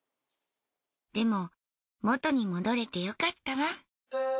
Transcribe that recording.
でも元に戻れてよかったわ。